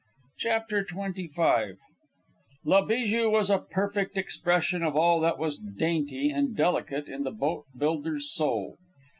CHAPTER XXV La Bijou was a perfect expression of all that was dainty and delicate in the boat builder's soul.